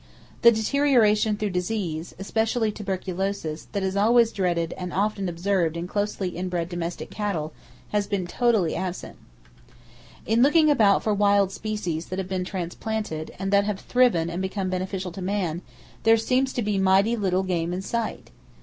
The deterioration through disease, especially tuberculosis, that always is dreaded and often observed in closely in bred domestic cattle, has been totally absent. In looking about for wild species that have been transplanted, and that have thriven and become beneficial to man, there seems to be mighty little game in sight!